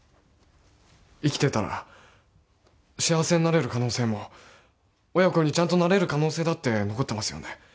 生きてたら幸せになれる可能性も親子にちゃんとなれる可能性だって残ってますよね